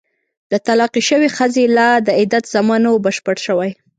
د طلاقې شوې ښځې لا د عدت زمان نه وو بشپړ شوی.